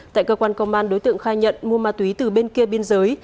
tại cơ quan công an đối tượng khai nhận mua ma túy từ bên kia biên giới